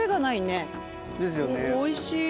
おいしし？